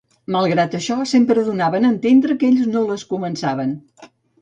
Malgrat això, sempre donaven a entendre que ells no les començaven.